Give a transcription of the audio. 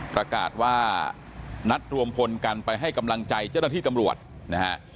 ประกาศว่านัดรวมพลกันไปให้กำลังใจเจ้าหน้าที่ตำรวจนะฮะ